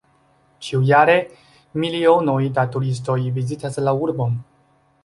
Ĉiujare milionoj da turistoj vizitas la urbon.